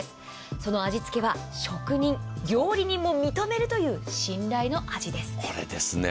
その味付けは職人、料理人も認めるという信頼の味です。